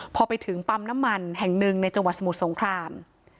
พอไปถึงปั๊มน้ำมันแห่งหนึ่งในจังหวัดสมุทรสงคราม